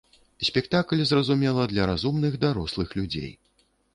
Спектакль, зразумела, для разумных дарослых людзей.